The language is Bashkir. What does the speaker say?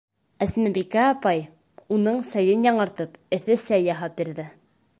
Әсмәбикә апай, уның сәйен яңыртып, эҫе сәй яһап бирҙе.